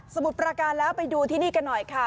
มุดประการแล้วไปดูที่นี่กันหน่อยค่ะ